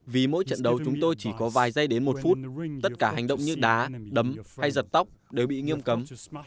vì mỗi trận đấu chúng tôi chỉ có vài giây đến một phút tất cả hành động như đá đấm hay giật tóc đều bị nghiêm cấm